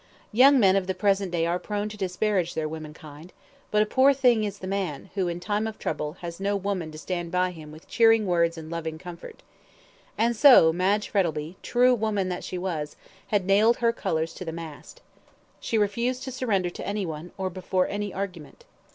Young men of the present day are prone to disparage their womenkind; but a poor thing is the man, who in time of trouble has no woman to stand by him with cheering words and loving comfort. And so Madge Frettlby, true woman that she was, had nailed her colours to the mast. She refused surrender to anyone, or before any argument.